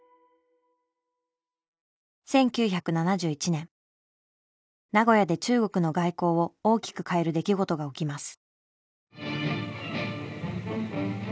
１９７１年名古屋で中国の外交を大きく変える出来事が起きます。